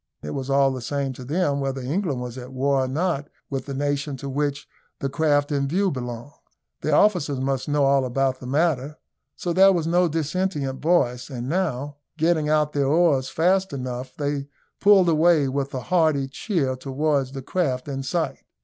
It was all the same to them whether England was at war or not with the nation to which the craft in view belonged. Their officers must know all about the matter, so there was no dissentient voice; and now, getting out their oars fast enough, they pulled away with a hearty cheer towards the craft in sight.